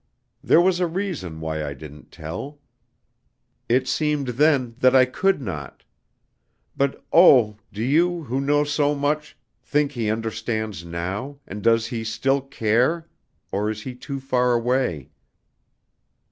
There was a reason why I didn't tell. It seemed then that I could not. But oh, do you, who know so much, think he understands now, and does he still care, or is he too far away?